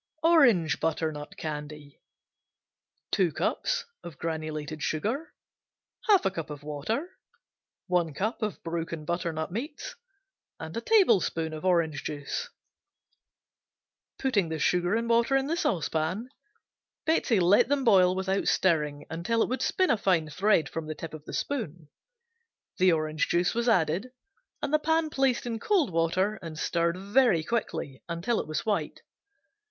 Orange Butternut Candy Sugar (granulated), 2 cups Water, 1/2 cup Butternut meats (broken), 1 cup Orange juice, 1 tablespoon Putting the sugar and water in the saucepan, Betsey let them boil without stirring until it would spin a fine thread from the tip of the spoon. The orange juice was added, and the pan placed in cold water and stirred very quickly until it was white.